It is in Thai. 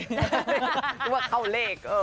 รู้ว่าเข้าเลข